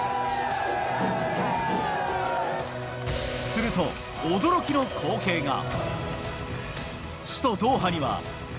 すると、驚きの光景が。